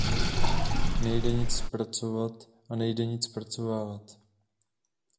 Nejde nic zpracovat a nejde nic zpracovávat.